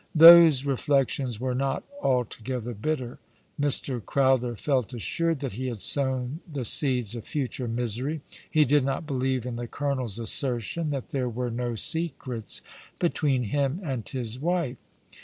Those reflections were not altogether bitter. Mr. Crowther felt assured that he had sown the seeds of future misery. He did not believe in the colonel's assertion that there were no secrets between him and his wife.